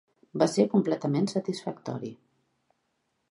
Va ser completament satisfactori.